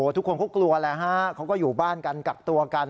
ทุกคนเขากลัวแล้วฮะเขาก็อยู่บ้านกันกักตัวกัน